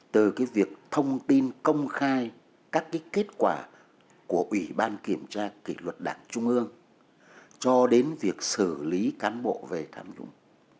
từ việc thông tin công khai các kết quả của ủy ban kiểm tra kỷ luật đảng trung ương cho đến việc xử lý cán bộ về tham nhũng